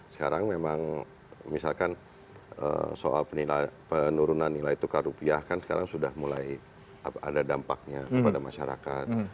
sekarang memang misalkan soal penurunan nilai tukar rupiah kan sekarang sudah mulai ada dampaknya kepada masyarakat